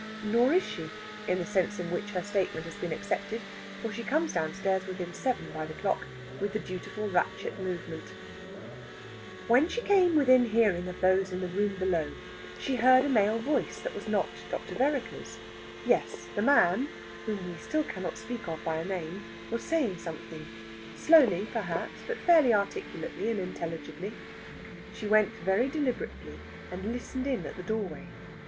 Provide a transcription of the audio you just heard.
Nor is she, in the sense in which her statement has been accepted, for she comes downstairs within seven by the clock with the dutiful ratchet movement. When she came within hearing of those in the room below, she heard a male voice that was not Dr. Vereker's. Yes, the man (whom we still cannot speak of by a name) was saying something slowly, perhaps but fairly articulately and intelligibly. She went very deliberately, and listened in the doorway.